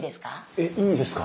えっいいんですか？